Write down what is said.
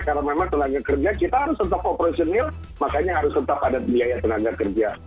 karena memang tenaga kerja kita harus tetap operasional makanya harus tetap ada biaya tenaga kerja